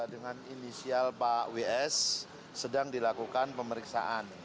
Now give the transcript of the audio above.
dengan inisial pak ws sedang dilakukan pemeriksaan